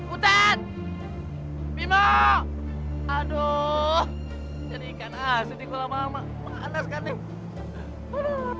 utan bimo aduh jadi ikan asin iku lama amat malas kan nih